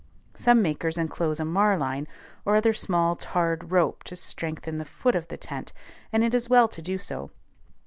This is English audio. Some makers enclose a marline or other small tarred rope to strengthen the foot of the tent, and it is well to do so.